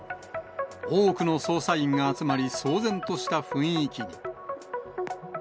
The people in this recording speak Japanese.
多くの捜査員が集まり、騒然とした雰囲気に。